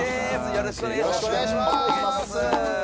よろしくお願いします。